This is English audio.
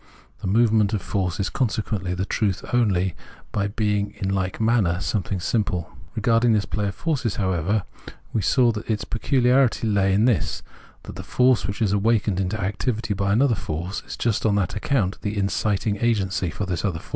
The movement of force is consequently the truth only by being in like manner something simple. Regarding this play of forces, however, we saw that its pecuharity lay in this, that the force which is awakened into activity by another force is just on that account the inciting agency for this other force, which thereby itself only then becomes an inciting force.